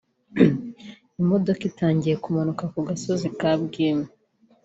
Imodoka itangiye kumanuka ku gasozi ka Bwimu